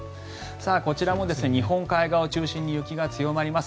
こちらも日本海側を中心に雪が強まります。